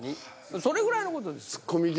それぐらいの事です。